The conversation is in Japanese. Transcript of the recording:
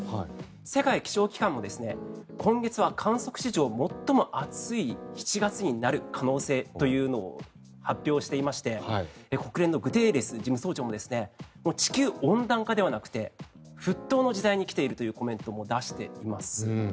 世界気象機関も今月は観測史上最も暑い７月になる可能性というのを発表していまして国連のグテーレス事務総長も地球温暖化ではなくて沸騰の時代に来ているというコメントも出しています。